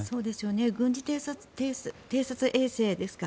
軍事偵察衛星ですか。